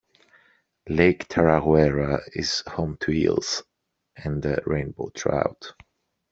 Lake Tarawera is home to eels and rainbow trout.